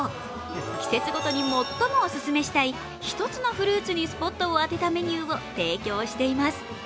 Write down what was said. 季節ごとに最もオススメしたい一つのフルーツにスポットを当てたメニューを提供しています。